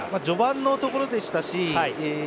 序盤のところでしたし